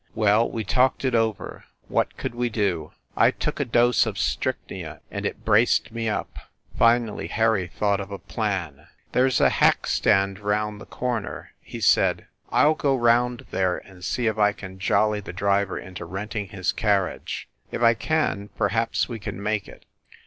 Well, we talked it over. What could we do? I took a dose of strychnia and it braced me up. ... Finally Harry thought of a plan. "There s a hack stand around the corner," he said. "I ll go round there and see if I can jolly the driver into renting his carriage. If I can, perhaps we can make it.